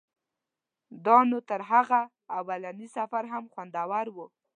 دا نو تر هغه اولني سفر هم خوندور و.